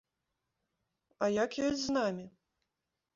А як ёсць з намі?